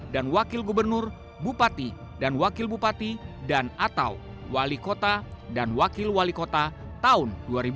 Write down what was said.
wakil gubernur bupati dan wakil bupati dan atau wali kota dan wakil wali kota tahun dua ribu dua puluh